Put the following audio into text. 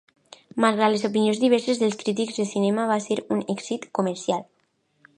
Malgrat les opinions diverses dels crítics de cinema, va ser un èxit comercial.